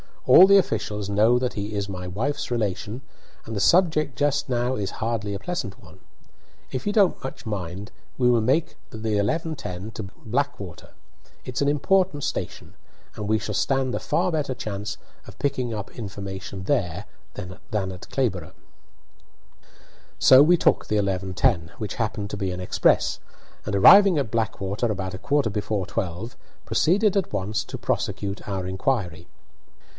All the officials know that he is my wife's relation, and the subject just now is hardly a pleasant one. If you don't much mind, we will make the 11:10 to Blackwater. It's an important station, and we shall stand a far better chance of picking up information there than at Clayborough." So we took the 11:10, which happened to be an express, and, arriving at Blackwater about a quarter before twelve, proceeded at once to prosecute our inquiry.